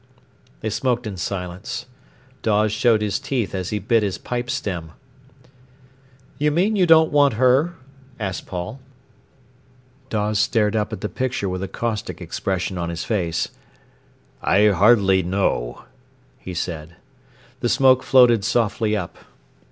They smoked in silence. Dawes showed his teeth as he bit his pipe stem. "You mean you don't want her?" asked Paul. Dawes stared up at the picture with a caustic expression on his face. "I hardly know," he said. The smoke floated softly up.